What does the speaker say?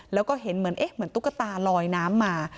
แล้วก็เห็นเหมือนเอ๊ะเหมือนตุ๊กตาลอยน้ำมา